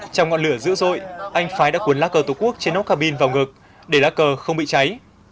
trong ngọn lửa dữ dội anh phái đã cuốn lá cờ tổ quốc trên nốt ca bin vào ngực để lá cờ không bị cháy